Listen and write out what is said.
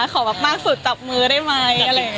ขอแบบมากสุดจับมือได้ไหมอะไรอย่างนี้